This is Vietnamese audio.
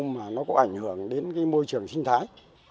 mà nó có ảnh hưởng đến môi trường sinh thái